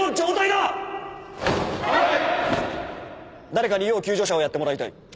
誰かに要救助者をやってもらいたい。